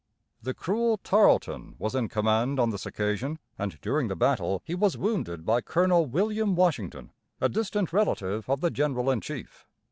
The cruel Tarleton was in command on this occasion, and during the battle he was wounded by Colonel William Washington, a distant relative of the general in chief.